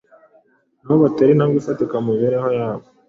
na bo batere intambwe ifatika mu mibereho yabo.